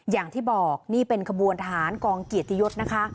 อย่างที่บอกนี่เป็นขบวนทหารกองเกียรติยศนะคะ